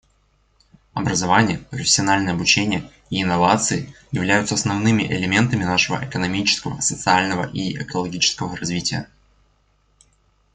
Образование, профессиональное обучение и инновации являются основными элементами нашего экономического, социального и экологического развития.